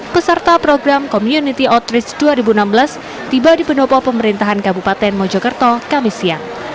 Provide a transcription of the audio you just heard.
peserta program community outreach dua ribu enam belas tiba di pendopo pemerintahan kabupaten mojokerto kamisia